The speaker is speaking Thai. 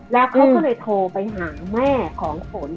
แล้วเขาก็เลยโทรไปหาแม่ของฝน